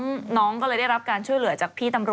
บางทีเขาเข้าใจว่า